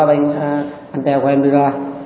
anh trai của em đi ra